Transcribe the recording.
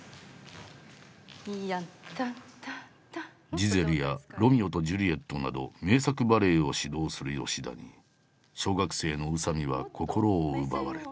「ジゼル」や「ロミオとジュリエット」など名作バレエを指導する吉田に小学生の宇佐見は心を奪われた。